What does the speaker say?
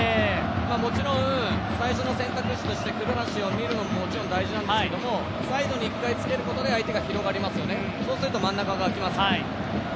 もちろん最初の選択肢として古橋を見るのももちろん大事なんですけどサイドに一回つけることで、相手が広がりますよね、そうすると真ん中があきます。